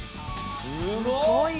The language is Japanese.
すごい！